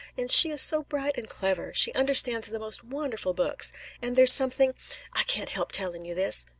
And she is so bright and clever. She understands the most wonderful books. And there's something I can't help telling you this."